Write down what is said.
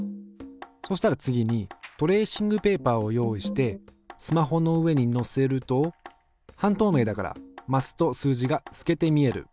そしたら次にトレーシングペーパーを用意してスマホの上に載せると半透明だからマスと数字が透けて見える。